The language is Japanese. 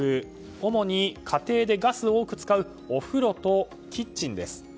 主に家庭でガスを多く使うお風呂とキッチンです。